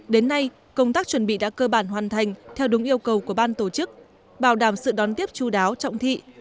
đến nay công tác chuẩn bị đã cơ bản hoàn thành theo đúng yêu cầu của ban tổ chức bảo đảm sự đón tiếp chú đáo trọng thị